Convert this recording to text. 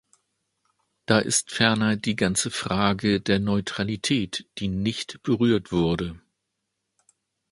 Da ist ferner die ganze Frage der Neutralität, die nicht berührt wurde.